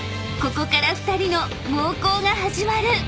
［ここから２人の猛攻が始まる］